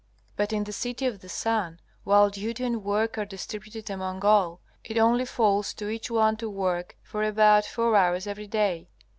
But in the City of the Sun, while duty and work are distributed among all, it only falls to each one to work for about four hours every day.